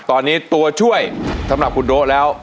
ตอนนี้ตัวช่วยสำหรับคุณโด๊ะแล้ว